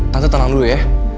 tante tenang dulu ya